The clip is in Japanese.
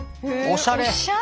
おしゃれ！